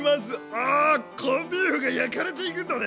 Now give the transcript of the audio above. あコンビーフが焼かれていくんだね！